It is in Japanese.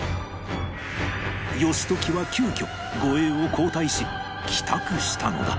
義時は急遽護衛を交代し帰宅したのだ